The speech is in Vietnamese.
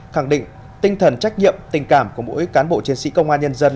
khẳng định tinh thần trách nhiệm tình cảm của mỗi cán bộ chiến sĩ công an nhân dân